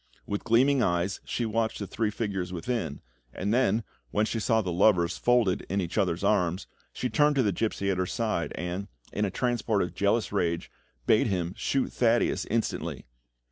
With gleaming eyes she watched the three figures within, and then, when she saw the lovers folded in each other's arms, she turned to the gipsy at her side, and, in a transport of jealous rage, bade him shoot Thaddeus instantly.